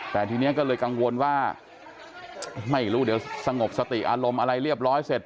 แต่ทีนี้ก็เลยกังวลว่าไม่รู้เดี๋ยวสงบสติอารมณ์อะไรเรียบร้อยเสร็จ